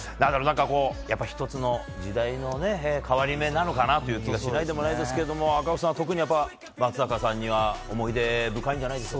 １つの時代の変わり目なのかなという気がしないでもないですけど赤星さんは特に松坂さんは思い出深いんじゃないですか。